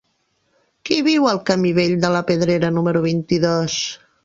Qui viu al camí Vell de la Pedrera número vint-i-dos?